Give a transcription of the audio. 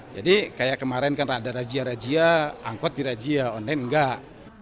jadi kayak kemarin kan ada rajia rajia angkut di rajia online enggak